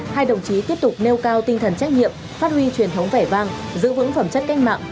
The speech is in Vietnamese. hai đồng chí tiếp tục nêu cao tinh thần trách nhiệm phát huy truyền thống vẻ vang giữ vững phẩm chất cách mạng